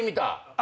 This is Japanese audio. あ。